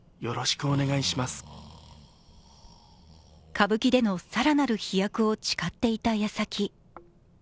歌舞伎でのさらなる飛躍を誓っていたやさき。